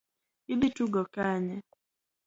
Idhi tugo Kanye?